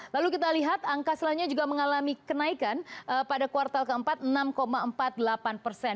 lalu kita lihat angka selanjutnya juga mengalami kenaikan pada kuartal keempat enam empat puluh delapan persen